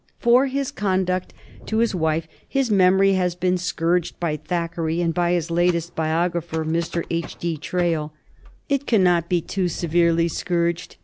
For his conduct to his wife his memory has been scourged by Thackeray and by his latest biographer, Mr. H. D. TrailL It cannot be too severely scourged.